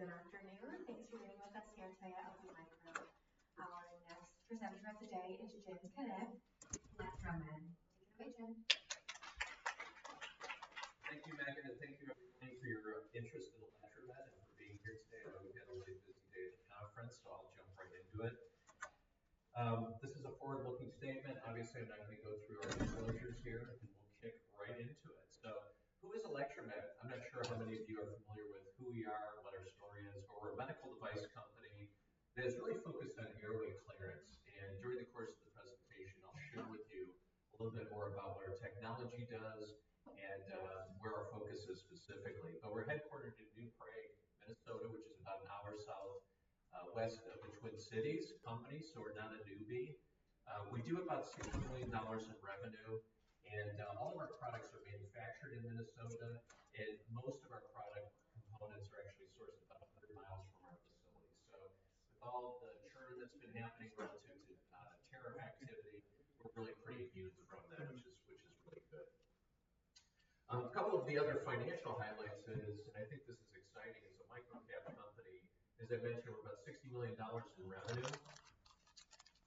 Good afternoon. Thanks for being with us here today at LD Micro. Our next presenter of the day is James Cunniff, Electromed. Take it away, James. Thank you, Megan. Thank you, everyone, for your interest in Electromed and for being here today. I know we've had a really busy day at the conference, so I'll jump right into it. This is a forward-looking statement. Obviously, I'm not going to go through our disclosures here, and we'll kick right into it. Who is Electromed? I'm not sure how many of you are familiar with who we are, what our story is. We're a medical device company that's really focused on airway clearance. During the course of the presentation, I'll share with you a little bit more about what our technology does and where our focus is specifically. We're headquartered in New Prague, Minnesota, which is about an hour southwest of the Twin Cities. We're not a newbie. We do about $600 million in revenue. All of our products are manufactured in Minnesota. Most of our product components are actually sourced about 100 miles from our facility. With all the churn that's been happening relative to tariff activity, we're really pretty immune from that, which is really good. A couple of the other financial highlights is, and I think this is exciting, as a micro-cap company, as I mentioned, we're about $60 million in revenue.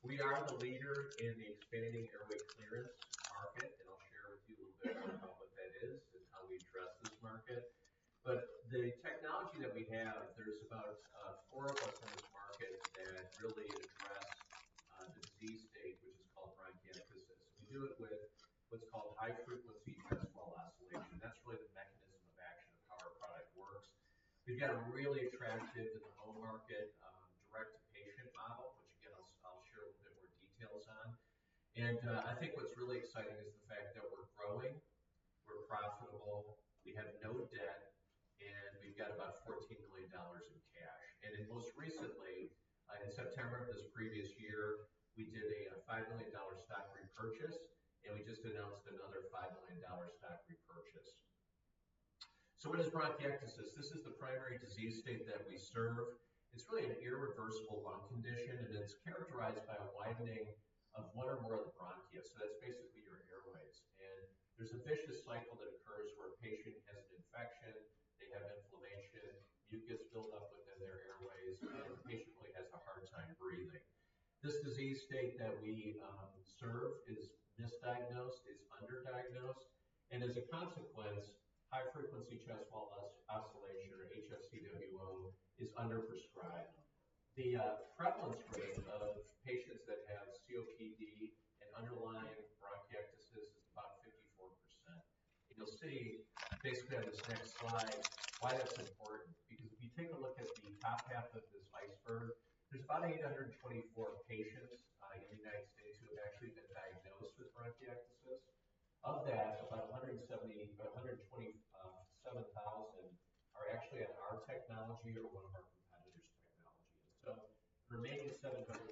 We are the leader in the expanding airway clearance market. I'll share with you a little bit more about what that is and how we address this market. The technology that we have, there's about four of us in this market that really address the disease state, which is called bronchiectasis. We do it with what's called high-frequency chest wall oscillation. That's really the mechanism of action of how our product works. We've got a really attractive to-the-home market direct-to-patient model, which, again, I'll share a little bit more details on. I think what's really exciting is the fact that we're growing, we're profitable, we have no debt, and we've got about $14 million in cash. Most recently, in September of this previous year, we did a $5 million stock repurchase, and we just announced another $5 million stock repurchase. What is bronchiectasis? This is the primary disease state that we serve. It's really an irreversible lung condition, and it's characterized by a widening of one or more of the bronchia. That's basically your airways. There's a vicious cycle that occurs where a patient has an infection, they have inflammation, mucus buildup within their airways, and the patient really has a hard time breathing. This disease state that we serve is misdiagnosed, is underdiagnosed, and as a consequence, high-frequency chest wall oscillation, or HFCWO, is underprescribed. The prevalence rate of patients that have COPD and underlying bronchiectasis is about 54%. You will see, basically, on this next slide, why that is important. Because if you take a look at the top half of this iceberg, there are about 824,000 patients in the United States who have actually been diagnosed with bronchiectasis. Of that, about 127,000 are actually on our technology or one of our competitors' technology. The remaining 700,000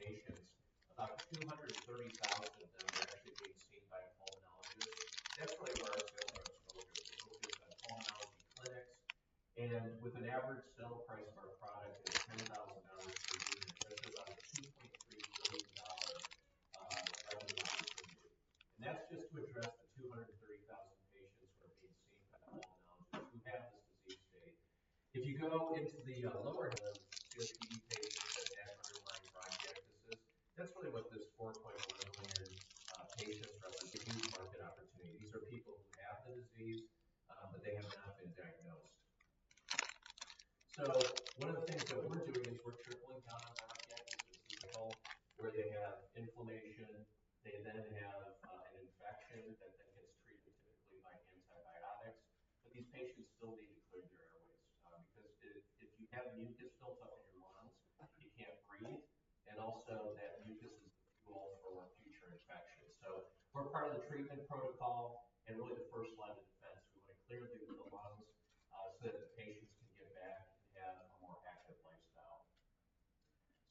patients, about 230,000 of them are actually being seen by a pulmonologist. That is really where our sales are focused. We are focused on pulmonology clinics. With an average sale price of our product of $10,000 per unit, that is about a $2.3 billion market value for you. That is just to address the 230,000 patients who are being seen by pulmonologists who have this disease state. If you go into the lower half, you have COPD patients and underlying bronchiectasis. That is really what this 4.1 million patients represent. A huge market opportunity. These are people who have the disease, but they have not been diagnosed. One of the things that we are doing is we are tripling down on bronchiectasis. Cycle where they have inflammation, they then have an infection that then gets treated typically by antibiotics. These patients still need to clear their airways because if you have mucus built up in your lungs, you cannot breathe. Also, that mucus is the fuel for future infections. We are part of the treatment protocol and really the first line of defense. We want to clear the lung so that the patients can get back and have a more active lifestyle.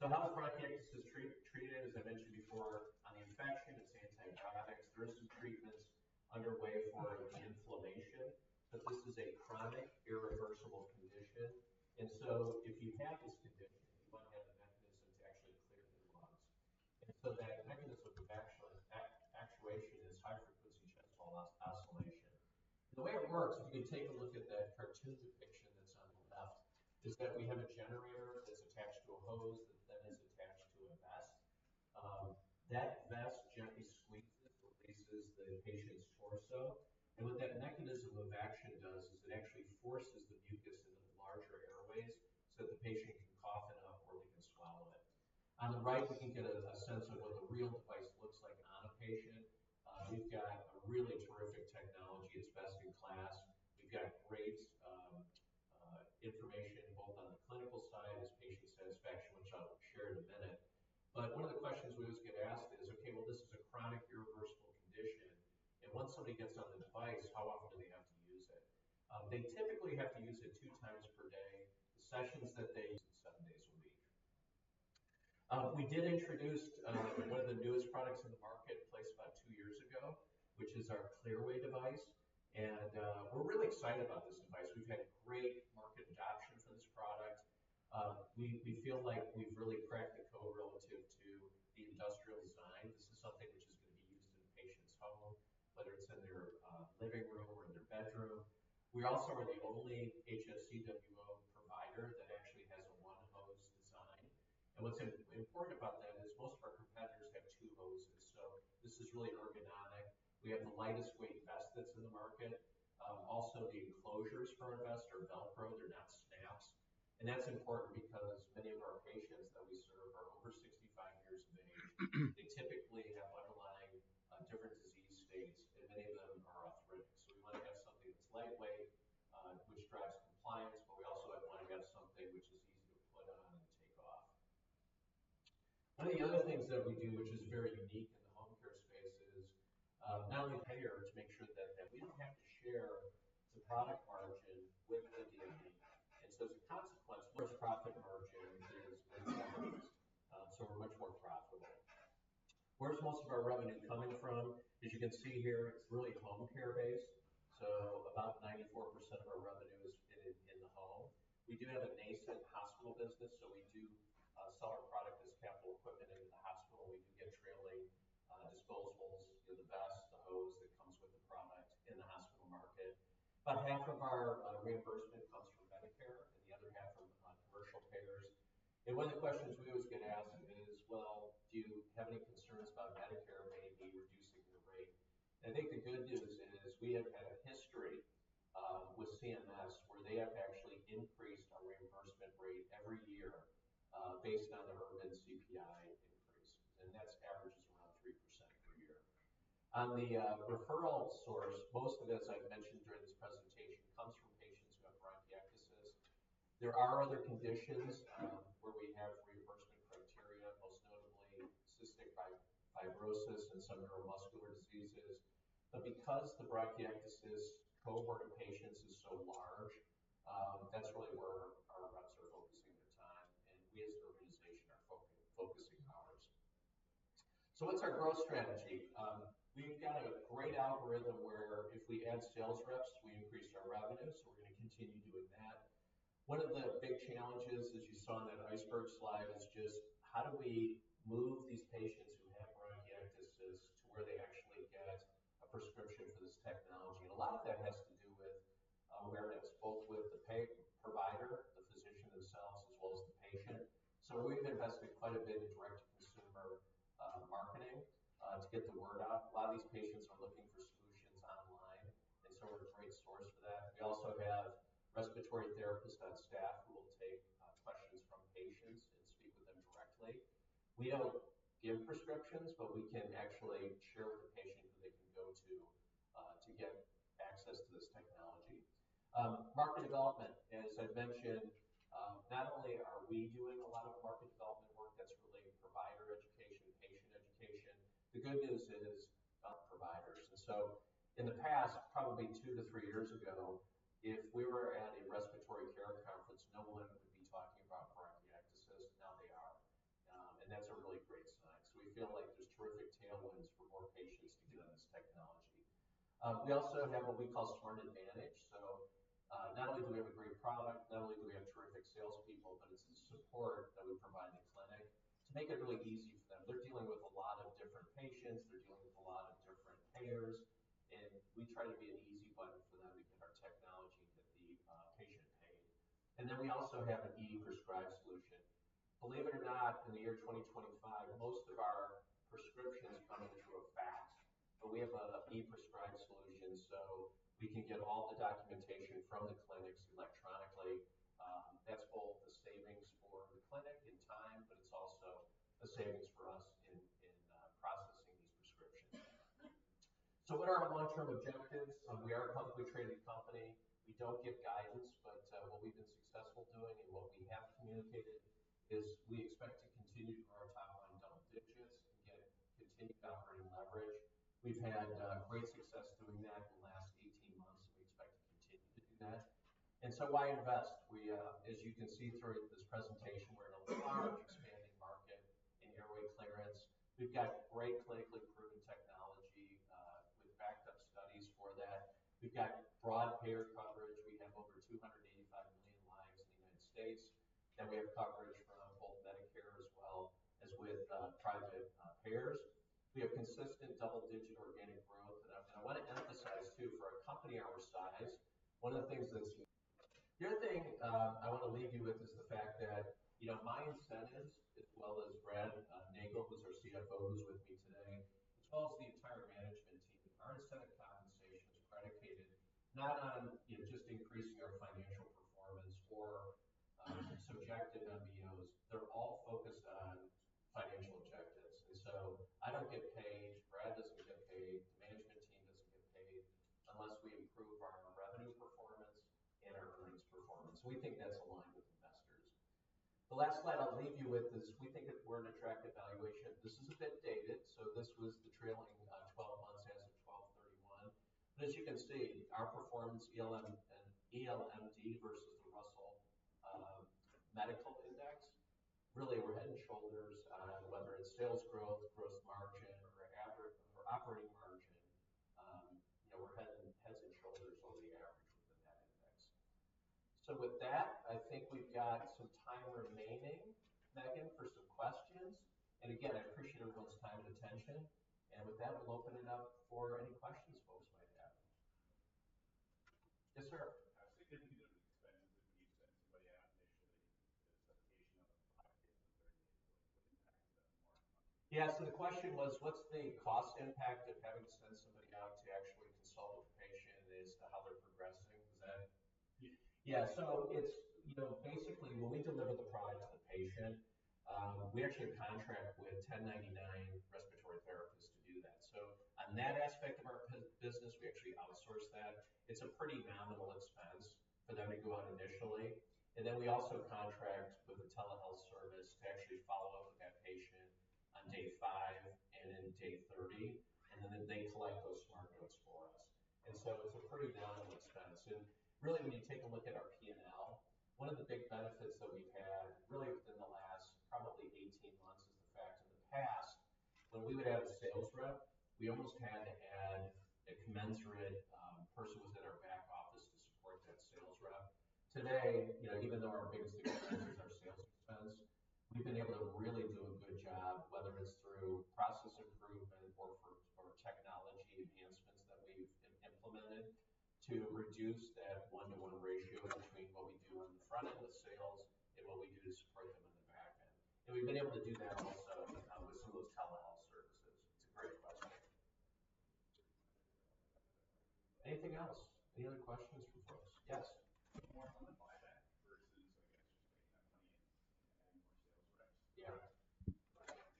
How is bronchiectasis treated? As I mentioned before, on the infection, it's antibiotics. There are some treatments underway for inflammation, but this is a chronic, irreversible condition. If you have this condition, you might have a mechanism to actually clear the lungs. That mechanism of actuation is high-frequency chest wall oscillation. The way it works, if you can take a look at that cartoon depiction that's on the left, is that we have a generator that's attached to a hose that then is attached to a vest. That vest gently squeezes, releases the patient's torso. What that mechanism of action does is it actually forces the mucus into the larger airways so that the patient can cough it up or they can swallow it. On the right, we can get a sense of what the real device looks like on a patient. We've got a really terrific technology. It's best in class. We've got great information both on the clinical side as patient satisfaction, which I'll share in a minute. One of the questions we always get asked is, "Okay, this is a chronic, irreversible condition. Once somebody gets on the device, how often do they have to use it?" They typically have to use it two times per day. The sessions that they... and seven days a week. We did introduce one of the newest products in the marketplace about two years ago, which is our Clearway device. We're really excited about this device. We've had great market adoption for this product. We feel like we've really cracked the code relative to the industrial design. This is something which is going to be used in patients' home, whether it's in their living room or in their bedroom. We also are the only HFCWO provider that actually has a one-hose design. What's important about that is most of our competitors have two hoses. This is really ergonomic. We have the lightest weight vest that's in the market. Also, the enclosures for our vest are Velcro. They're not snaps. That's important because many of our patients that we serve are over 65 years of age. They typically have underlying different disease states, and many of them are arthritic. We want to have something that's lightweight, which drives compliance, but we also want to have something which is easy to put on and take off. One of the other things that we do, which is very unique in the home care space, is bill the payer to make sure that we don't have to share the product margin with another company. As a consequence, gross-profit margin is much lower. We are much more profitable. Where's most of our revenue coming from? As you can see here, it's really home care-based. About 94% of our revenue is in the home. We do have a nascent hospital business, so we do sell our product as capital equipment into the hospital. We do get trailing disposables in the vest, the hose that comes with the product in the hospital market. About half of our reimbursement comes from Medicare and the other half from commercial payers. One of the questions we always get asked is, "Do you have any concerns about Medicare maybe reducing your rate?" I think the good news is we have had a history with CMS where they have actually increased our reimbursement rate every year based on their urban CPI increase. That averages around 3% per year. On the referral source, most of it, as I have mentioned during this presentation, comes from patients who have bronchiectasis. There are other conditions where we have reimbursement criteria, most notably cystic fibrosis and some neuromuscular diseases. Because the bronchiectasis cohort of patients is so large, that is really where our reps are focusing their time, and we as an organization are focusing ours. What is our growth strategy? We have got a great algorithm where if we add sales reps, we increase our revenue. We are going to continue doing that. One of the big challenges, as you saw in that iceberg slide, is just how do we move these patients who have bronchiectasis to where they actually get a prescription for this technology? A lot of that has to do with awareness, both with the pay provider, the physician themselves, as well as the patient. We've invested quite a bit in direct-to-consumer marketing to get the word out. A lot of these patients are looking for solutions online, and we're a great source for that. We also have respiratory therapists on staff who will take questions from patients and speak with them directly. We don't give prescriptions, but we can actually share with the patient who they can go to to get access to this technology. Market development, as I've mentioned, not only are we doing a lot of market development work that's related to provider education, patient education. The good news is providers. In the past, probably two to three years ago, if we were at a respiratory care conference, no one would be talking about bronchiectasis. Now they are. That's a really great sign. We feel like there's terrific tailwinds for more patients to get on this technology. We also have what we call SmartAdvantage. Not only do we have a great product, not only do we have terrific salespeople, but it's the support that we provide the clinic to make it really easy for them. They're dealing with a lot of different patients. They're dealing with a lot of different payers. We try to be an easy button for them to get our technology that the patient paid. We also have an e-prescribe solution. Believe it or not, in the year 2025, most of our prescriptions come in via fax. We have an e-prescribe solution, so we can get all the documentation from the clinics electronically. That is both a savings for the clinic in time, but it is also a savings for us in processing these prescriptions. What are our long-term objectives? We are a publicly traded company. We do not give guidance, but what we have been successful doing and what we have communicated is we expect to continue to grow our top-line double digits and get continued operating leverage. We have had great success doing that in the last 18 months, and we expect to continue to do that. Why invest? As you can see through this presentation, we're in a large expanding market in airway clearance. We've got great clinically proven technology with backed-up studies for that. We've got broad payer coverage. We have over 285 million lives in the United States. We have coverage from both Medicare as well as with private payers. We have consistent double-digit organic growth. I want to emphasize too, for a company our size, one of the things that's. The other thing I want to leave you with is the fact that my incentives, as well as Brad Nagel, who's our CFO, who's with me today, as well as the entire management team, our incentive compensation is predicated not on just increasing our financial performance or subjective MBOs. They're all focused on financial objectives. I don't get paid. Brad doesn't get paid. The management team doesn't get paid unless we improve our revenue performance and our earnings performance. We think that's aligned with investors. The last slide I'll leave you with is we think that we're an attractive valuation. This is a bit dated. This was the trailing 12 months as of December 31. As you can see, our performance, ELMD versus the Russell Medical Index, really we're head and shoulders, whether it's sales growth, gross margin, or average operating margin. We're head and shoulders over the average within that index. I think we've got some time remaining, Megan, for some questions. Again, I appreciate everyone's time and attention. With that, we'll open it up for any questions folks might have. Yes, sir. I was thinking if you did an expensive review to send somebody out initially, the specification of a 5-day to a 30-day delay would impact them more. Yeah. The question was, what's the cost impact of having to send somebody out to actually consult with a patient? Is the how they're progressing? Was that? Yeah. It's basically, when we deliver the product to the patient, we actually contract with 1099 respiratory therapists to do that. On that aspect of our business, we actually outsource that. It's a pretty nominal expense for them to go out initially. We also contract with the telehealth service to actually follow up with that patient on day five and then day 30. They collect those SmartNotes for us. It's a pretty nominal expense. Really, when you take a look at our P&L, one of the big benefits that we've had really within the last probably 18 months is the fact in the past, when we would have a sales rep, we almost had to add a commensurate person who was in our back office to support that sales rep. Today, even though our biggest expense is our sales expense, we've been able to really do a good job, whether it's through process improvement or technology enhancements that we've implemented, to reduce that one-to-one ratio between what we do on the front-end with sales and what we do to support them on the back-end. We've been able to do that also with some of those telehealth services. It's a great question. Anything else? Any other questions for folks? Yes. More on the buyback versus, I guess, just making that money and adding more sales reps?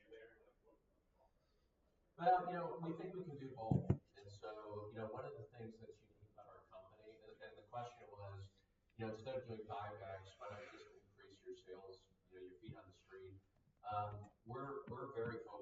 Yeah. We think we can do both. One of the things that's unique about our company and the question was, instead of doing buybacks, why don't you just increase your sales, your feet on the street? We're very focused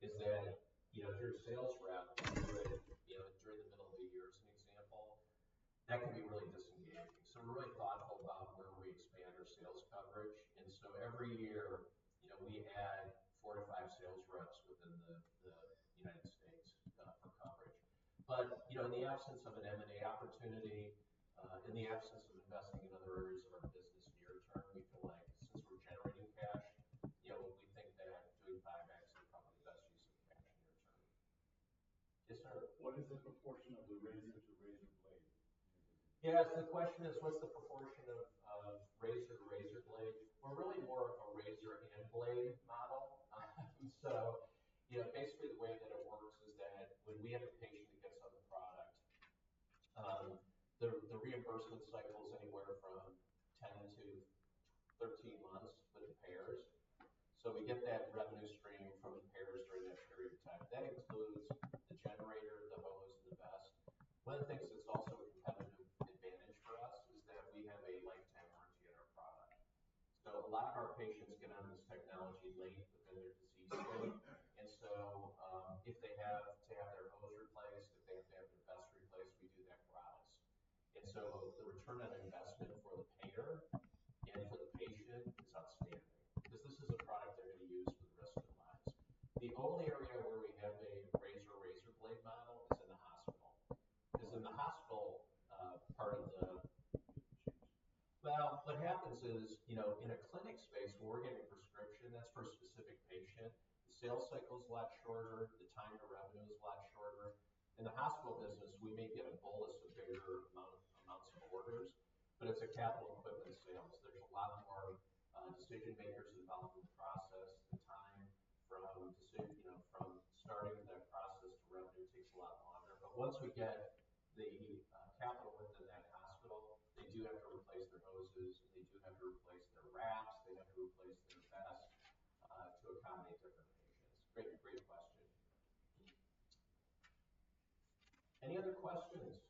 on continuing to expand our sales team, but we have to do it judiciously. Our reps have a base salary, plus they get paid commissions. We want to make sure that when we add reps because we don't have another product within their bag outside of SmartVest, is that if you're a sales rep during the middle of the year, as an example, that can be really disengaging. We are really thoughtful about where we expand our sales coverage. Every year, we add four to five sales reps within the United States for coverage. In the absence of an M&A opportunity, in the absence of investing in other areas of our business near term, we feel like since we're generating cash, we think that doing buybacks is probably the best use of cash near term. Yes, sir. What is the proportion of the razor-to-razor blade? Yeah. The question is, what's the proportion of razor-to-razor blade? We're really more of a razor-and-blade model. Basically, the way that it works is that when we have a patient that gets on the product, the reimbursement cycle is anywhere from 10-13 months with the payers. We get that revenue stream from the payers during that period of time. That includes the generator, the hose, and the vest. One of the things that's also a competitive advantage for us is that we have a lifetime warranty on our product. A lot of our patients get on this technology late within their disease state. If they have to have their hose replaced, if they have to have their vest replaced, we do that for them. The return on investment for the payer and for the patient is outstanding because this is a product they're going to use for the rest of their lives. The only area where we have a razor-to-razor blade model is in the hospital. In the hospital, part of the—what happens is in a clinic space where we're getting a prescription that's for a specific patient, the sales cycle is a lot shorter. The time to revenue is a lot shorter. In the hospital business, we may get a bolus of bigger amounts of orders, but it's a capital equipment sales. There's a lot more decision-makers involved in the process. The time from starting the process to revenue takes a lot longer. Once we get the capital within that hospital, they do have to replace their hoses. They do have to replace their wraps. They have to replace their vest to accommodate different patients. Great question. Any other questions? All right. Thank you for your time and attention. Thank you for your interest. I know it's late in the day, and really appreciate it. Thank you so much.